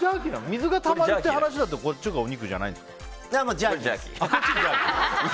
水がたまってる話だとこっちがお肉じゃないんですか。